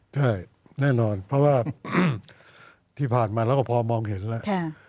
ใช่แน่นอนเพราะว่าที่ผ่านมาเราก็พอมองเห็นแล้ว